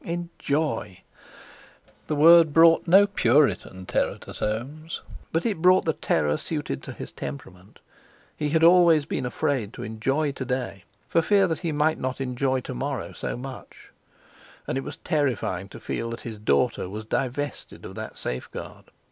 Enjoy! The word brought no puritan terror to Soames; but it brought the terror suited to his temperament. He had always been afraid to enjoy to day for fear he might not enjoy tomorrow so much. And it was terrifying to feel that his daughter was divested of that safeguard.